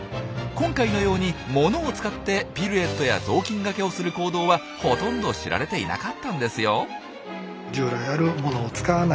今回のようにものを使ってピルエットや雑巾がけをする行動はほとんど知られていなかったんですよ。